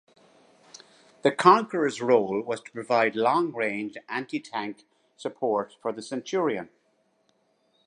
The Conqueror's role was to provide long range anti-tank support for the Centurion.